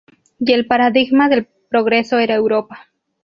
Y el paradigma del progreso era Europa.